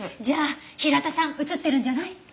じゃあ平田さん映ってるんじゃない？